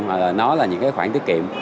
hoặc là nó là những cái khoản tiết kiệm